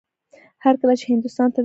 هر کله چې هندوستان ته داخل شول.